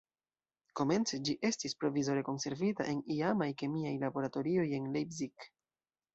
Komence ĝi estis provizore konservita en iamaj kemiaj laboratorioj en Leipzig.